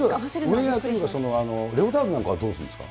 ウェアっていうか、レオタードなんかはどうするんですか。